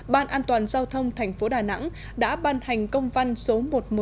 ban an toàn giao thông thành phố đà nẵng đã ban hành công văn số một trăm một mươi hai